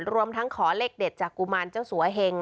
รวมทั้งขอเลขเด็ดจากกุมารเจ้าสัวเหง